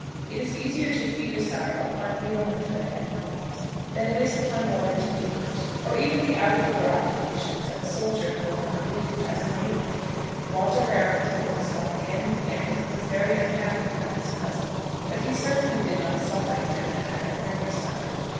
It is easier to feed a sorrow upon needle and thread and novels, than it is upon lawyers' papers, or even the out a door occupations of a soldier home upon leave who has no work to do. Walter Marrable told himself again and again that he was very unhappy about his cousin, but he certainly did not suffer in that matter as Mary suffered.